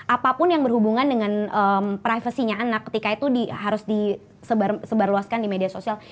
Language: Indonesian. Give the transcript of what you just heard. apapun yang berhubungan dengan privasinya anak ketika itu harus disebarluaskan di media sosial